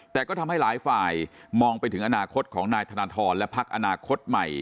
แต่ก็ทำให้หลายฝ่ายมองไปถึงอนาคตของนายธนทรและพักอนาคตใหม่